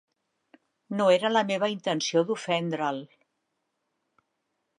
No era la meva intenció d'ofendre'l.